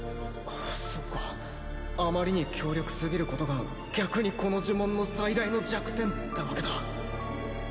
そっかあまりに強力すぎることが逆にこの呪文の最大の弱点ってわけだ